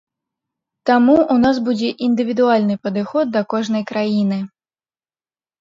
Таму, у нас будзе індывідуальны падыход да кожнай краіны.